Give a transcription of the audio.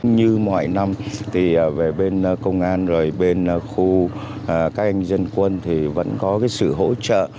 như mọi năm thì về bên công an rồi bên khu các anh dân quân thì vẫn có cái sự hỗ trợ